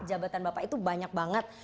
jabatan bapak itu banyak banget